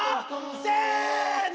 せの。